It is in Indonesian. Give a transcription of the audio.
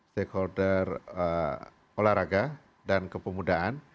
stakeholder olahraga dan kepemudaan